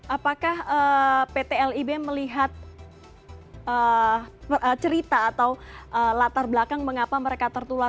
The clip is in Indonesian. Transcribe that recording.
apakah pt lib melihat cerita atau latar belakang mengapa mereka tertular